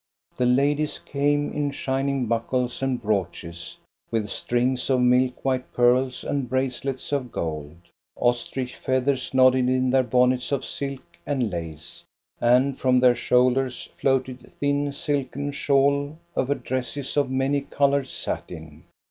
The ladies came in shining buckles and brooches, with strings of milk white pearb and bracelets of gold. Ostrich feathers nodded in their bonnets of silk and lace, and from their shoul ders floated thin silken shawb over dresses of many colored satin.